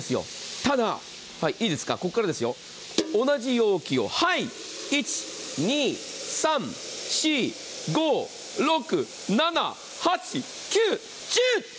ただ、ここからですよ、同じ容器をはい１２３４５６７１０！